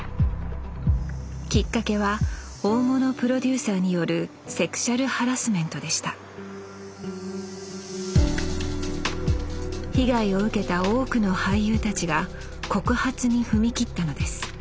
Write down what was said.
きっかけは大物プロデューサーによるセクシャルハラスメントでした被害を受けた多くの俳優たちが告発に踏み切ったのです。